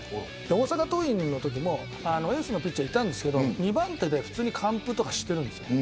大阪桐蔭のときもエースのピッチャーいましたが２番手で普通に完封とかしているんです。